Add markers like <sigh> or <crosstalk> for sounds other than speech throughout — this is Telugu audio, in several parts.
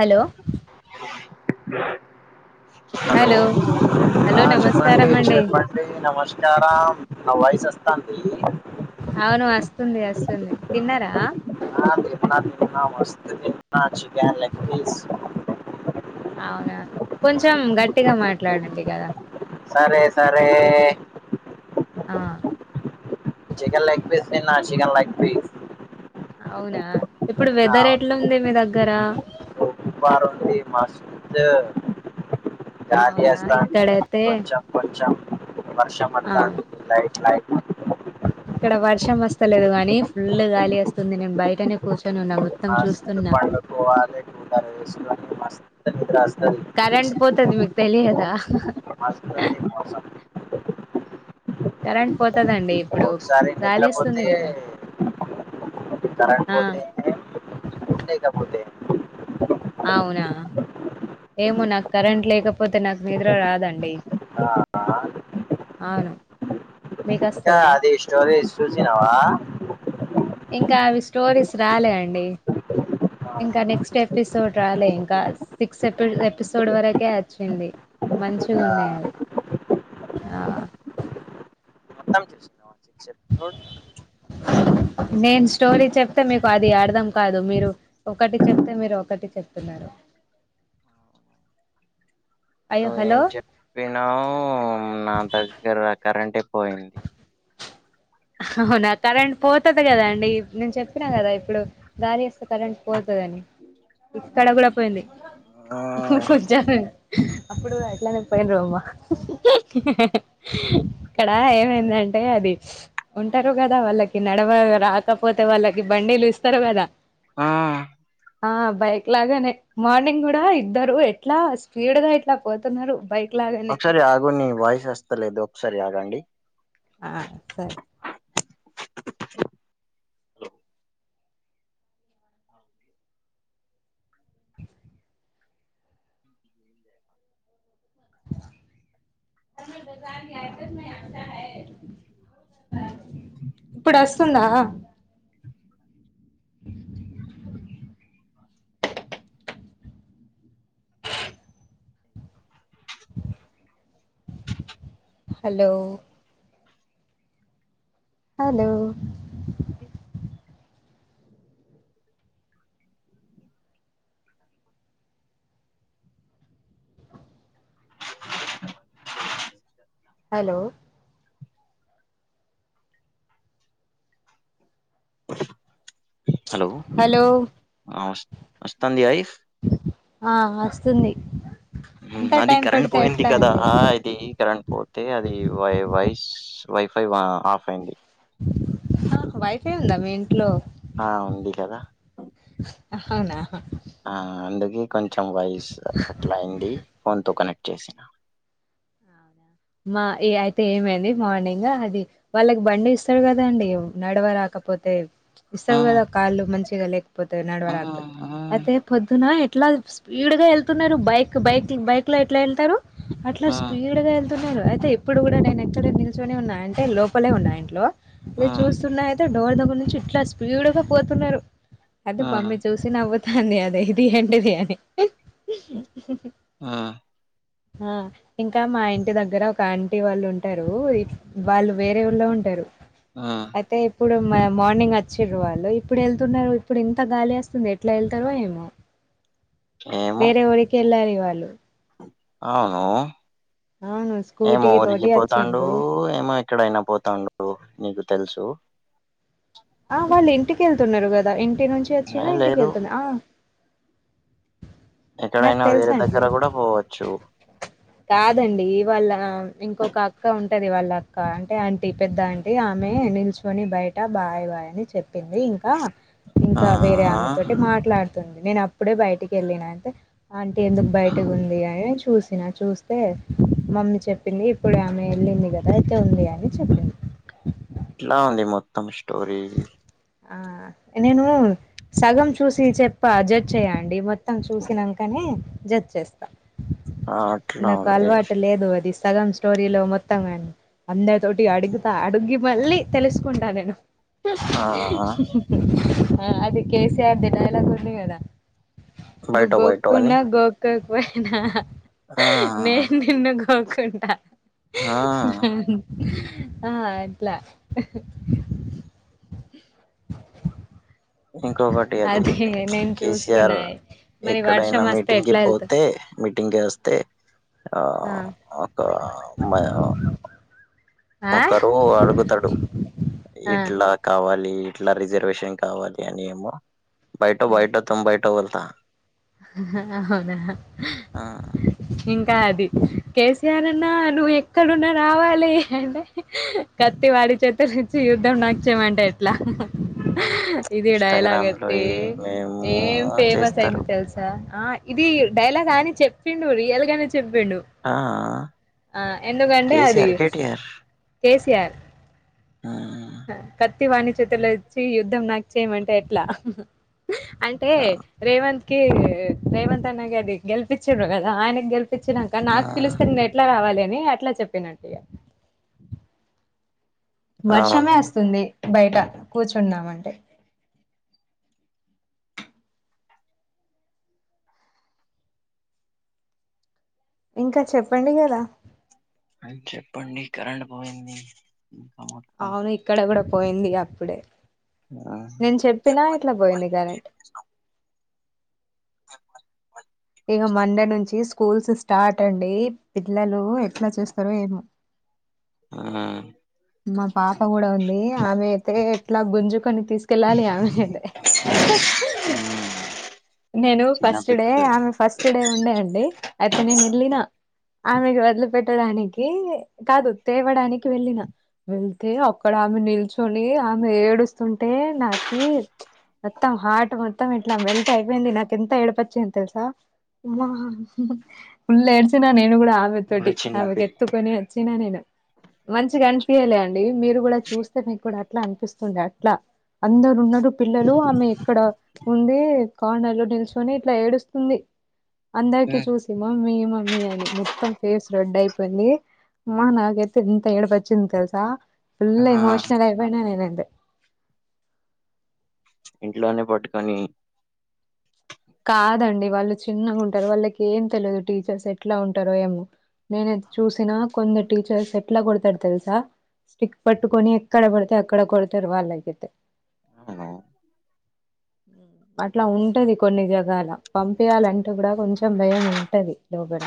హలో హలో హలో ఆ చెప్పండి నమస్కారం అండి చెప్పండి నమస్కారం నావయసు వస్తాంది అవును వస్తుంది వస్తుంది తిన్నారా ఆ తిన్నాం తిన్నాం మస్త్ తిన్నా చికెన్ లెగ్ పీస్ అవునా కొంచెం గట్టిగా మాట్లాడండి కదా సరే సరే ఆ చికెన్ లెగ్ పీస్ నా చికెన్ లెగ్ పీస్ అవునా ఇప్పుడు వెదర్ అవును ఎట్లుంది మీ దగ్గరా మస్త్ గాలి అవునా ఏస్తాంది ఇక్కడైతే కొంచెం కొంచెం వర్షం ఆ మతాంది లైట్ లైట్ తలేదుగానీ ఫుల్ గాలి ఏస్తుంది నేను బయటనే కూర్చ్ మస్త్ పండుకోవాలె కూలరేసుకొని మస్తు నిద్రొస్ కరెంట్ పోతది మీకు తెలియదా మస్తు కరెంట్ పోతదండి ఇప్పుడు ఒసారి గాలి వస్తుంది నిద్రపోతే కదా కరెంట్ ఆ పోతే ఏంది కబ పోతే అవునా ఏమో నాక్ కరెంట్ లేకపోతే నాకు నిద్ర రాదండి ఆ ఆ అవును మీకు ఇంకా వస్తదా అది స్టోరీస్ చూసినవా ఇంకా అవి స్టోరీస్ రాలే అండి ఆ, ఇంకా నెక్స్ట్ ఎపిసోడ్ రాలే ఇంకా సిక్స్ ఎపి ఎపిసోడ్ వరకే వచ్చింది ఇంకా మంచిగున్నయ్ అవి ఆ చెప్పు నేన్ స్టోరీ చెప్తే మీకు అది అర్థం కాదు మీరు ఒకటి చెప్తే మీరు ఒకటి చెప్తున్నారు అయ్యో నువ్ హలో ఏం చెప్పినవ్ నా దగ్గర కరంటే పోయింది హవునా కరెంట్ పోతది కదా అండి నేన్ చెప్పినా కదా ఇప్పుడు గాలి వస్తే కరెంట్ పోత దని ఇక్కడ గుడా పోయింది ఆ, అప్పుడు అట్లనే పోయిన్రో అమ్మ ఇక్కడా ఏమైందం టే అది ఉంటరు గదా వాళ్ళకి నడవ రాకపోతే వాళ్ళకి బండీలు ఇస్తరు గదా ఆ ఆ బైక్ లాగానే మార్నింగ్ గుడా ఇద్దరు ఎట్లా స్పీడ్ గా ఇట్లా పోతున్నారు బైక్ లాగానే ఒక్సారి ఆగుని వాయిసు వస్తలేదు ఒక్సారి ఆగండి ఆ సరే ఇప్పుడస్తుందా hello hello hello hello hello ఆ వస్ వస్తంది వాయిస్ ఆ అస్తుంది మ్ అది కరెంట్ పోయింది కదా ఆ ఇది కరెంట్ పోతే అది వయ్ వాయిస్ వైఫై వా ఆఫ్ అయింది హ వైఫై ఉందా మీ ఇంట్లో ఆ ఉంది కదా హహవునా ఆ అందుకే కొంచెం వయిస్ అట్ల అయింది. ఫోన్ తో కనెక్ట్ చేసిన అవునా? మా ఇగ అయితే ఏమైంది మార్నింగ్, అది వాళ్ళకి బండి ఇస్తడు కదండి నడవ రాక కపోతే ఆ! ఇస్తరు కదా కాళ్ళు మంచిగా లేకపోతే ఆ! నడవడాకపోతే అయితే పొద్దున అట్లా స్పీడ్ గా వెళ్తున్నారు, బైక్ బైక్ బైక్ లో ఎట్ల ఎళ్తారు అట్లా ఆ! స్పీడ్ గా ఎల్ తున్నారు అయితే ఎప్పుడు గుడ నేను ఇక్కడే నిల్చొనే ఉన్న అంటే లోపలే ఉన్న ఇంట్లో, ఆ! ఆ! నేను చూస్తున్నా అయిత్ తే ఆ డోర్ దగ్గర నుంచి ఇట్లా స్పీడ్ గా పోతున్నరు, అయితే ఆ! మమ్మి చూసి నవ్వు తాంది అనేది ఏంటిది అని ఆ ఆ ఇంకా మా ఇంట్ టి దగ్గర ఒక ఆంటీ వాళ్ళు ఉంటరు, వాళ్ళు వేరే ఊర్లో ఉంటరు ఆ! అయితే ప్పుడు మ మార్నింగ్ వచ్చిరు వాళ్ళు, ఇప్పుడే ఎళ్తున్నరు, ఇప్పుడు ఇంత గాలి అస్తుంది, ఎట్ల ఎళ్తరో ఏమో ఏమో! వేరే ఊరికే ఎళ్లాలి వాళ్ళు. అవును, అవును ఏమో స్కూటీ తోటి ఉరికిపోతాండు వచ్చిండ్రు ఏమో ఎక్కడైనా పోతాండో నీకు తెలుసు ఆ వాళ్ళు ఇంటికెళ్తున్నరు గద, ఇంటి నుంచి ఏ వచ్చినా ఇంటికి లేదు. వెళ్తుంది ఆ నాకు ఎక్కడైనా వేరే దగ్గర తెలుసండి గుడ పోవచ్చు. కాదండి వాళ్ళ ఇంకొక అక్క ఉంటది వాళ్ళ అక్క, అంటే ఆంటీ పెద్ద అంటీ ఆమె మే నిల్చొని బయట బాయ్ బాయ్ అని చెప్పింది, ఇంకా ఆ! ఇంకా వేరే ఆమెతోటి మాట్లాడుతుంది, నేనప్పుడే బయటికి వెళ్ళిన అయితే ఆంటి ఎందుకు బయటకు ఉంది అని చూసిన చూస్తే మమ్మీ చెప్పింది, ఇప్పుడే ఆమె ఎళ్ళింది కదా అయితే ఉంది అని చెప్పింది. ఎట్లా ఉంది మొత్తం స్టోరీ? ఆ నేను సగం చూసి చెప్ప, జడ్జ్ చేయ్యండి మొత్ మొత్తం చూసినంకనే జడ్జ్ చేస్తా, ఆ! అట్లా నాకు ఉంది. అలవాటు లేదు అది సగం స్టోరీ లో మొత్తం అని అందరి తోటి అడుగుతా అడుగి మళ్ళీ తెలుసుకుంటా నేను ఆ! ఆ అది కే సీ ఆర్ ది డైలాగ్ ఉంది గదా, నువ్వు బయటో బయటో అని గోక్కున్నా గోక్కో పోయినా ఆ నేను నిన్ను గోకుంట. ఆ ఆ అట్లా <inaudible> ఇంకొకటి అది అదే ప్చ్ నేను కే సీ ఆర్ చూస్తున్నా మరి వర్షం ఎక్కడైనా వస్తే మీటింగ్ కి ఎట్లా వెళ్తావ్ పోతే మీటింగ్ కి ఓస్తే ఆ మ ఒకరు అడుగుతడు ఆ ఇట్లా కావాల్ ఇట్లా రిజర్వేషన్ కావాలి అని ఏమో, బయటో ఆ బయటో తుమ్ బయటో బోళ్తా అవునా ఆ ఇంకా అది కే సీ ఆర్ అన్నా నువ్వు ఎక్కడున్నా రావాలి అంటే కత్తి వాడి చేతుల ఇచ్చి యుద్ధం నాక్ చేయమంటే ఎట్లా? ఆ ఇది డైలాగ్ ఇన్స్టాగ్రామ్ లో ఐతే ఏమేమో ఏం ఫేమస్ అయింది చేస్తారు తెల్స్ ఆ ఇది డైలాగ్ అని చెప్పిండు రియల్ గానే చెప్పిండు ఆ ఆ ఎందుకే అది KCR KTR K C C R హ్మ్. ఆ కట్ తి వాణి చేతుల ఇచ్చి యుద్ధం నాకు చేయమంటే ఎట్లా? అంటే ఆ రేవంత్ కి కీ రేవంత్ అన్నగార్ని గెలిపిచ్చిరు గదా ఆయనక్ గెల్ పిచ్చినంక ఆ నాకు పిలిస్తే నే ఎట్లా రావాలి అని అట్ల చెప్పినట్టిగా వర్షమే అవును ఒస్తుంది బయట కూర్చుందామంటే ఇంకా చెప్పండి గదా అ చెప్పండి కరెంట్ పోయింది ఇంకా మొత్తం అవును ఇక్కడ గూడా పోయిందిగ అప్పుడే ఆ నేన్ చెప్పినా ఇట్ల బొయింది కరెంట్ ఇగ మండే నుంచి స్కూల్స్ స్టార్ట్ అండీ పిల్లలు ఎట్ల చేస్తరో ఏమే <inaudible> ఆ మా పాప గుడా ఉంది ఆమె అయితే ఎట్లా గుంజుకొని తీసుకెళ్ళాలి ఆమేని అయితే నేనూ చిన్న ఫస్ట్ డే పిల్లలు ఆమె ఫస్ట్ డే ఉండే అండి అయితే నేను ఎల్లినా ఆమె <unintelligible> పెట్టడానికీ కాదు తేవడానికి వెళ్ళిన వెళ్తే అక్కడ ఆమె నిల్చోని ఆమె ఏడుస్తుంటే నాకీ మొత్తం హాట్ మొత్తం ఇట్లా మెల్ట్ అయిపోయింది నాకు ఎంత ఏడుపొచ్చింది తెలుసా అమ్మా ఫుల్ ఏడ్స్ నేను గూడ ఆమె ఒక తోటి చిన్న ఆమెకు పిల్ల ఎత్తుకొని ఒచ్చిన నేను మంచిగా అనిపియాలే అండి మీరు గుడా చూస్తే మీకు కూడా అట్లా అనిపిస్తుంది అట్లా అందరు ఉన్నరూ పిల్లలు ఆమె ఇక్కడ ఉండీ కార్నర్ లో నిల్చోని ఇట్ల ఏడుస్తుంది అందరికి చూసి మమ్మీ మమ్మీ అని మొత్తం ఫేస్ రెడ్డ్ అయిపోయింది మా నాకైతే ఎంత ఏడుపొచ్చింది తెల్సా ఆ ఫుల్ ఎమోషనల్ అయిపోయిన నేనైతే ఇంట్లోనే పట్టుకొనీ కాదండి వాళ్ళు చిన్నగ ఉంటారు వాళ్ళకి ఏం తెలువదు టీచర్స్ ఎట్లా ఉంటారో ఏమో నేను చూసినా కొంద టీచర్స్ ఎట్లా గొడతర్ తెలుసా స్టిక్ పట్టుకొని ఎక్కడ బడితే అక్కడ కొడతారు వాళ్ళకైతే నేను అట్లా ఉంటది కొన్ని జగాల పంపియాలంటె గుడా కొంచెం భయం ఉంటది <unintelligible> డ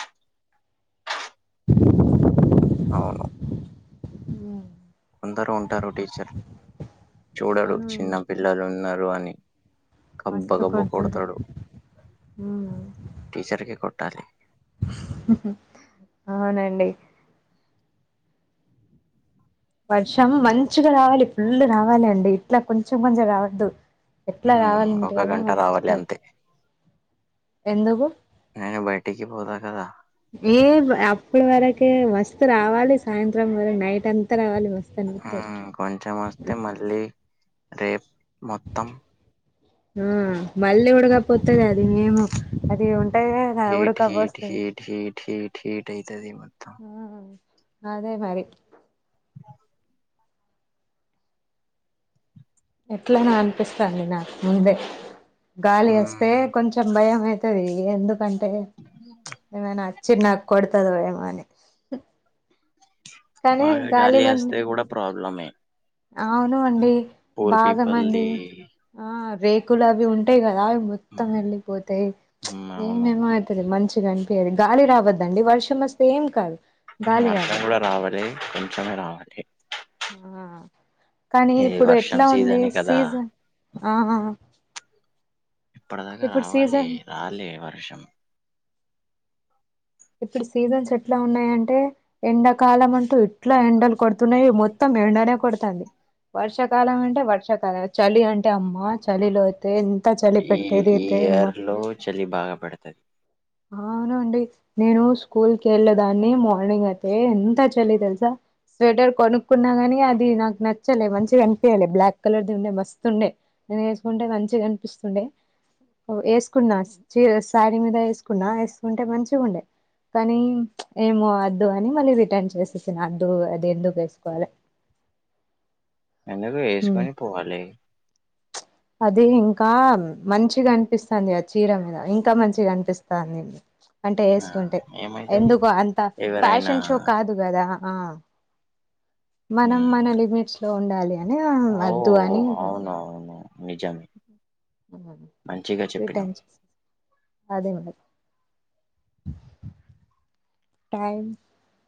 <inaudible> అవును ఉ కొందరు ఉంటారు టీచర్ చూడరడు అవును చిన్న పిల్లలు ఉన్నారు అని కబ్బ మస్తు గబ్బ కొడతారు కొడతాడు ఉమ్ టీచర్కి కొట్టాలి అవునండి వర్షం మంచిగ రావాలి ఫుల్ల్ రావాలి అండి ఇట్లా కొంచెం కొంచెం రావద్దు ఎట్ల ఉమ్, గావాలంటే ఒక గంట రావాలి మస్తు అంతే ఎందుకు టియ్యిపోరా కదా ఏ అప్పుడు వరకే మస్త్ రావాలి సాయంత్రం వర నైట్ అంత రావాలి మస్తు ఆ అనిపిత్తది కొంచెం వస్తే మళ్ళీ రేప్ మొత్తం ఊ మళ్ళీ ఉడకపోతది అది మేము అది ఉన్ hate heat heat heat heat heat అయితది మొత్తం అదే మరి ఎట్లానో అనిపిస్తాంది నాకు ముందే గాలి వేస్తే ఉమ్, కొంచెం భయం అవుతుది ఎందుకంటే ఏమైనా చిన్న కొడతది వయమాని బాగ గాలి వస్తే కూడ ప్రాబ్లమే అవును అండి పూర్ బాగ మంది పీపుల్ది ఆ రేకులు అవి ఉంటాయి కదా మొత్తం వెళ్ళిపోతాయి హ్మ్ అవును. ఏమేమో అవుతుంది మంచిగా కనిపించదింకా గాలి రావద్దండి వర్షం వస్తే ఏం కాదు గాలి వర్షం కూడ రావద్దు రావాలి కొంచమే రావాలి ఆ కానీ ఈ ఇప్పుడు ఎట్ల వర్షం ఉంది సీజనే కదా! సీజన్ ఆ ఇప్పటిదాక రావాలి సీజన్ రాలే వర్షం ఇప్పుడు సీజన్స్ ఎట్లా ఉన్నాయంటే ఎండాకాలం అంటూ ఎట్ల ఎండలు కొడుతున్నాయి మొత్తం ఎండనే కొడుతుంది వర్షాకాలం అంటే వర్షాకాలం చలి అంటే అమ్మ చలిలోతే ఈ ఇయర్ లో చలి బాగాపడుతంది అవునండి నేను స్కూల్ కెళ్ళే దాన్ని మార్నింగ్ అయితే ఎంత చలి తెలుసా స్వెటర్ కొనుక్కున్నా గాని అది నాక్ నచ్చలె మంచిగ కనిపియా లె బ్లాక్ కలర్ది ఉండే మస్తు ఉండే్ నేను వేసుకుంటే మంచిగ కనిపిస్తుండే వేసుకున్నా చ శారీ మీద వేసుకు కున్నా వేసుకుంటే మంచిగా ఉండే కానీ ఏమో వద్దు అని మళ్ళీ రిటర్న్ చేసేసిన అద్దు అది ఎందుకు వేసుకోవాలి ఎందుకు ఉమ్ వేసుకని పోవాలి అది ఇంకా మంచిగా అనిపిస్తుంది ఆ చీర మీద ఇంకా మంచిగా అనిపిస్తాంది అంటే ఆ! వేసుకుంటే ఏమైతది? ఎందుకో అంత ఎవరైనా ఫ్యాషన్ షో కాదు కదా ఆ మనం హ్మ్. మన లిమిట్స్ లో ఉండాలి అని వద్దు అని ఓహ్! అవునవును. నిజమే. మంచిగా చెప్పినావు. ఇటొచ్చేసామ్ టైమ్